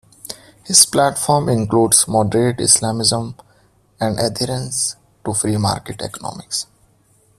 His platform includes moderate Islamism and adherence to free-market economics.